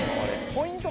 ポイント